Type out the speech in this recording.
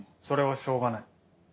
それはしょうがない